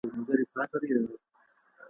ښه عمل وکړئ.